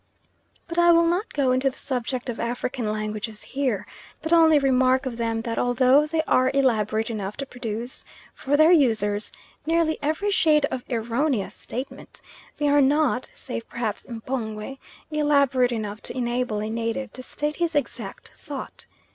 But I will not go into the subject of African languages here, but only remark of them that although they are elaborate enough to produce, for their users, nearly every shade of erroneous statement, they are not, save perhaps M'pongwe, elaborate enough to enable a native to state his exact thought.